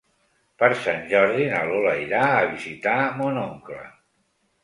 Per Sant Jordi na Lola irà a visitar mon oncle.